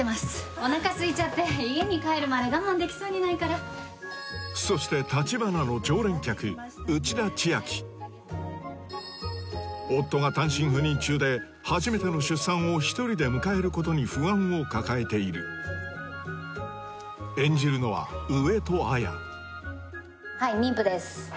おなかすいちゃって家に帰るまで我慢できそうにないからそしてたちばなの夫が単身赴任中で初めての出産をひとりで迎えることに不安を抱えている演じるのは上戸彩はい妊婦です